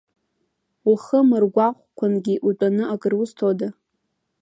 Ухы мыргәаҟкәангьы утәаны акыр узҭода!